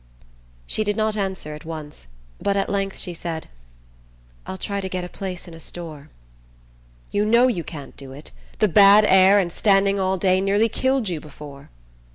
She did not answer at once, but at length she said: "I'll try to get a place in a store." "You know you can't do it. The bad air and the standing all day nearly killed you before."